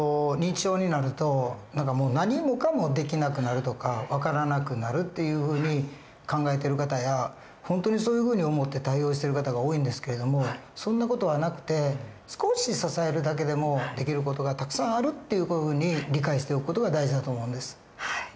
認知症になるともう何もかもできなくなるとか分からなくなるっていうふうに考えてる方や本当にそういうふうに思って対応してる方が多いんですけれどもそんな事はなくて少し支えるだけでもできる事がたくさんあるっていうふうに理解しておく事が大事だと思うんです。